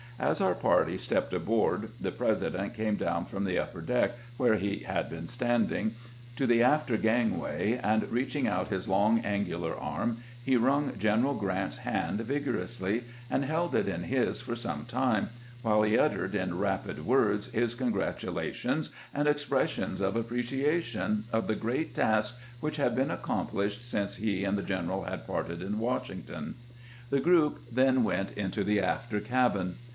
As our party 216 LINCOLN'S FERST VISIT TO GEANT'S CAMP 217 stepped aboard, the President came down from tlie upper deck, where he had been standing, to the after gangway, and reaching out his long, angular arm, he wrung General Grant's hand vigorously, and held it in his for some time, while he uttered in rapid words his congratulations and expressions of appreciation of the great task which had been accomplished since he and the general had parted in Washington. The group then went into the after cabin.